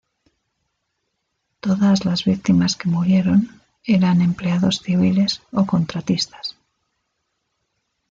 Todas las víctimas que murieron eran empleados civiles o contratistas.